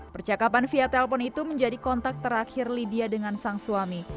percakapan via telpon itu menjadi kontak terakhir lydia dengan sang suami